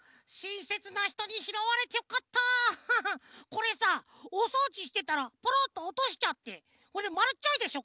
これさおそうじしてたらぽろっとおとしちゃってまるっちゃいでしょ？